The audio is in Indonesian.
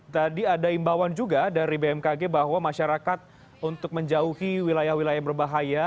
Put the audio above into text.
tadi ada imbauan juga dari bmkg bahwa masyarakat untuk menjauhi wilayah wilayah yang berbahaya